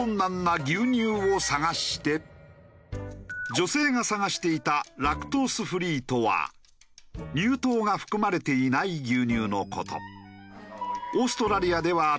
女性が探していたラクトースフリーとは乳糖が含まれていない牛乳の事。